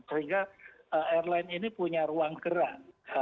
sehingga airline ini punya ruang gerak